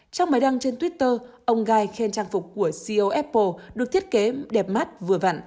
trong bài đăng trên twitter ông guide khen trang phục của ceo apple được thiết kế đẹp mắt vừa vặn